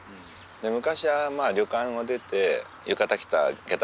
昔は旅館を出て浴衣着た下駄